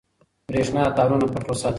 برېښنا تارونه پټ وساتئ.